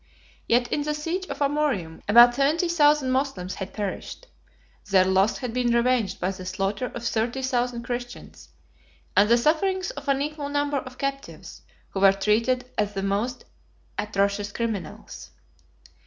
Yet in the siege of Amorium about seventy thousand Moslems had perished: their loss had been revenged by the slaughter of thirty thousand Christians, and the sufferings of an equal number of captives, who were treated as the most atrocious criminals.